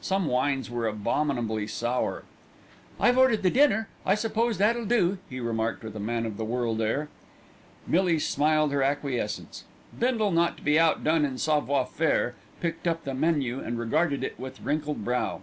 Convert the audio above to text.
Some wines were abominably sour. "I've ordered the dinner; I suppose that'll do," he remarked with a man of the world air. Millie smiled her acquiescence. Bindle, not to be outdone in savoir faire, picked up the menu and regarded it with wrinkled brow.